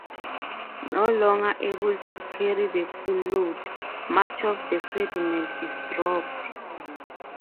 No longer able to carry the full load, much of the sediment is dropped.